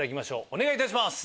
お願いいたします。